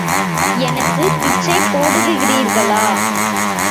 எனக்குப் பிச்சை போடுகிறீர்களா?